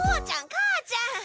母ちゃん！